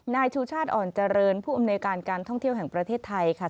นายชูชาติอ่อนเจริญผู้อำนวยการการท่องเที่ยวแห่งประเทศไทยค่ะ